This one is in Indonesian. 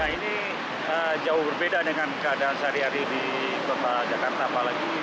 ini jauh berbeda dengan keadaan sehari hari di kota jakarta apalagi